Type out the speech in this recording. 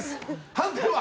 判定は？